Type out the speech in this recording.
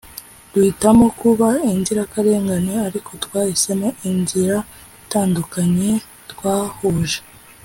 duhitamo kuba inzirakarengane ariko twahisemo inzira itandukanye twahuje